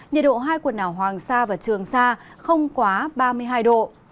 nhiệt độ hai quần đảo hoàng sa và trường sa không quá ba mươi hai độ